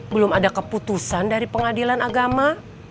belum ada keputusan dari pengadilan agama